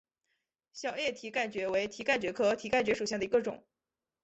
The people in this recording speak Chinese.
小叶蹄盖蕨为蹄盖蕨科蹄盖蕨属下的一个种。